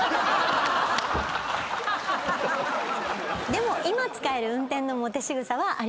でも今使える運転のモテ仕草はあります。